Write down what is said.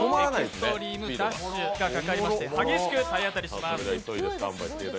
エクストリームダッシュがかかりますと激しく体当たりします。